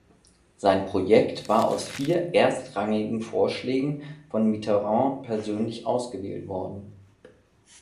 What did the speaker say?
Sein Projekt war aus vier erstrangigen Vorschlägen von Mitterrand persönlich ausgewählt worden.